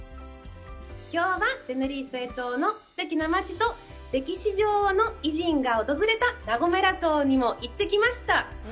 きょうは、テネリフェ島のすてきな街と歴史上の偉人が訪れたラ・ゴメラ島にも行ってきました。